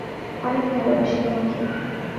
অনেক ভালোবাসি তোমাকে।